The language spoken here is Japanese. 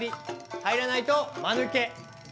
入らないとまぬけ。